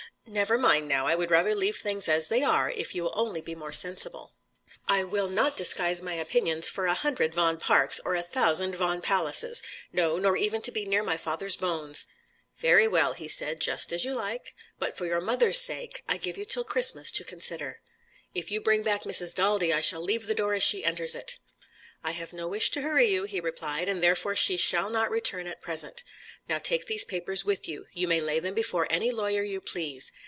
"Never mind now. I would rather leave things as they are, if you will only be more sensible." "I will not disguise my opinions for a hundred Vaughan Parks, or a thousand Vaughan Palaces; no, nor even to be near my father's bones." "Very well," he said, "just as you like. But for your mother's sake, I give you till Christmas to consider." "If you bring back Mrs. Daldy, I shall leave the door as she enters it." "I have no wish to hurry you," he replied, "and therefore she shall not return at present. Now take these papers with you. You may lay them before any lawyer you please.